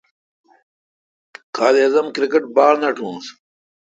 قائد اعظم کرکٹ باڑ نکوس۔